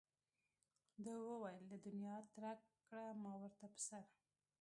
ده وویل له دنیا ترک کړه ما ورته په سر.